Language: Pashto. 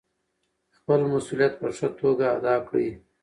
خپل مسوولیت په ښه توګه ادا کړئ.